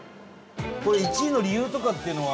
これ１位の理由とかっていうのは？